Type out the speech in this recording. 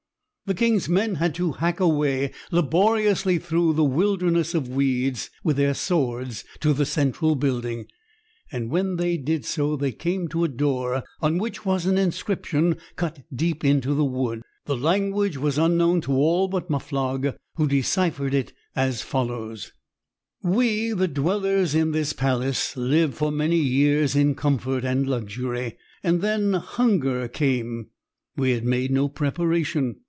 The king's men had to hack a way laboriously through the wilderness of weeds with their swords to the central building, and when they did so they came to a door on which was an inscription cut deep into the wood. The language was unknown to all but Muflog, who deciphered it as follows: "We, the Dwellers in this Palace, lived for many years in Comfort and Luxury. Then Hunger came. We had made no preparation.